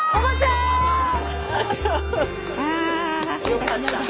よかった。